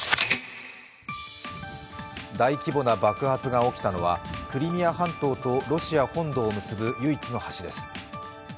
大規模な爆発が起きたのはクリミア半島とロシア本土を結ぶ唯一の橋です。